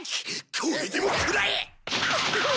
これでもくらえ！